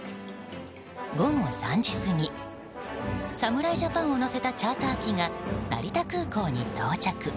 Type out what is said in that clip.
午後３時過ぎ侍ジャパンを乗せたチャーター機が成田空港に到着。